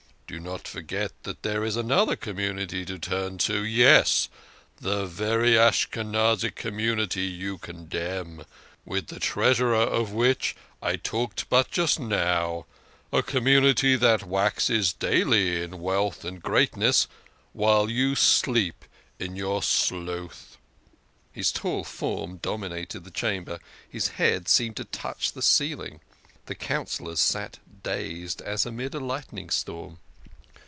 Do not forget that there is another community to turn to yes ! that very Ashkenazic community you contemn with the Treasurer of which I talked but just now ; a community that waxes daily in wealth and greatness while you sleep in THE KING OF SCHNORRERS. 125 your sloth." His tall form dominated the chamber, his head seemed to touch the ceiling. The Councillors sat dazed as amid a lightning storm.